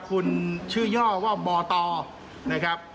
คุณชื่อย่อว่าบตนะครับ